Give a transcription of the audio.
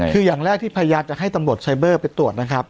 คืออย่างแรกที่พยายามจะให้ตำรวจไซเบอร์ไปตรวจนะครับ